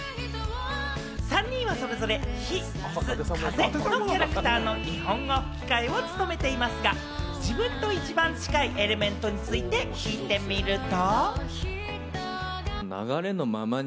３人はそれぞれ火・水・風のキャラクターの日本語吹き替えを務めていますが、自分と一番近いエレメントについて聞いてみると。